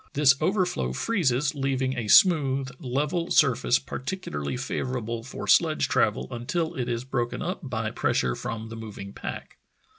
This over flow freezes, leaving a smooth, level surface particularly favorable for sledge travel until it is broken up by pressure from the moving pack.